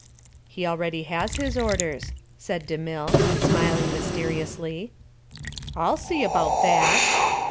"He already has his orders," said DeMille, smiling mysteriously. "I'll see about that."